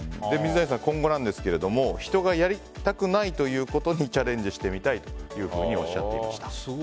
水谷さん、今後ですが人がやりたくないということにチャレンジしてみたいというふうにおっしゃっていました。